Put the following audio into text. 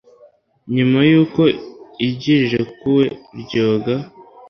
nyuma y'uko igi rirekuwe, ryoga